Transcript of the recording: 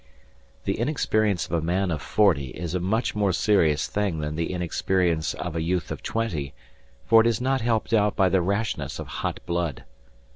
The inexperience of a man of forty is a much more serious thing than the inexperience of a youth of twenty, for it is not helped out by the rashness of hot blood.